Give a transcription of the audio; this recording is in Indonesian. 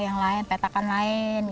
yang lain petakan lain